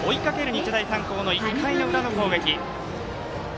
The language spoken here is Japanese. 日大三高が１回裏の攻撃。